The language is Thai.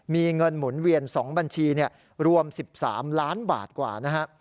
มีเงินหมุนเวียน๒บัญชีรวม๑๓ล้านบาทกว่านะฮะ